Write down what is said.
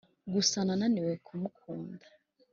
Gusa nananiwe kumukunda